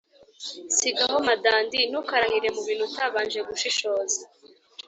sigaho madandi ntukarahire mu bintu utabanje gushishozaho!